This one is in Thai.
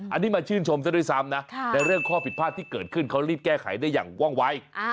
อันนี้มาชื่นชมซะด้วยซ้ำนะในเรื่องข้อผิดพลาดที่เกิดขึ้นเขารีบแก้ไขได้อย่างว่องวัย